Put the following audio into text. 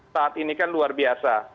saat ini kan luar biasa